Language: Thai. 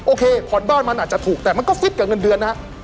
โอเคผ่อนบ้านมันอาจจะถูกแต่มันก็ฟิตกับเงินเดือนนะฮะ